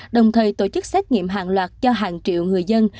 đồng thời tổ chức xét nghiệm hàng loạt cho hàng triệu người dân